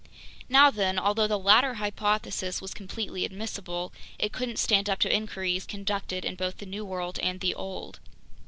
Now then, although the latter hypothesis was completely admissible, it couldn't stand up to inquiries conducted in both the New World and the Old.